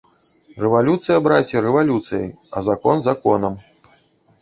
Рэвалюцыя, браце, рэвалюцыяй, а закон законам.